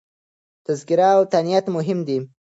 تذکير او تانيث مهم دي.